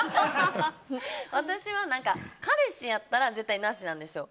私は彼氏だったら絶対なしなんですよ。